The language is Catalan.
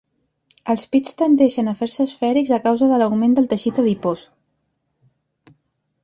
Els pits tendeixen a fer-se esfèrics a causa de l'augment del teixit adipós.